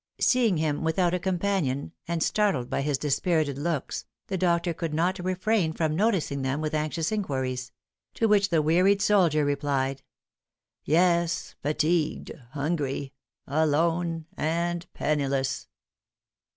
Seeing him without a companion, and startled by his dispirited looks the doctor could not refrain from noticing them with anxious inquiries; to which the wearied soldier replied: "Yes fatigued hungry alone, and penniless!"